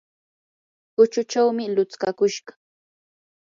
huchuchawmi lutskakushqa.